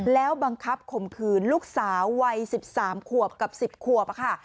แล้วบังคับข่มขืนลูกสาววัย๑๓ขวบกับ๑๐ขวบค่ะ